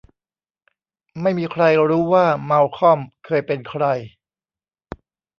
ไม่มีใครรู้ว่า มัลคอม เคยเป็นใคร